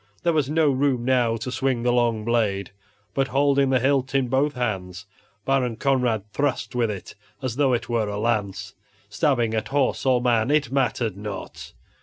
There was no room now to swing the long blade, but holding the hilt in both hands, Baron Conrad thrust with it as though it were a lance, stabbing at horse or man, it mattered not.